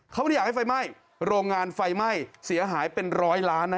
เขาไม่ได้อยากให้ไฟไหม้โรงงานไฟไหม้เสียหายเป็นร้อยล้านนะ